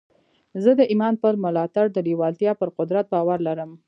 زه د ايمان پر ملاتړ د لېوالتیا پر قدرت باور لرم.